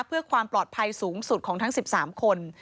เพื่อความปลอดภัยสูงสุดของทั้ง๑๓คน